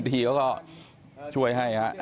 ทีเขาก็ช่วยให้ครับ